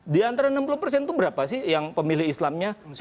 di antara enam puluh persen itu berapa sih yang pemilih islamnya